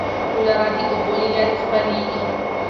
کولرا د اوبو له لارې خپرېږي.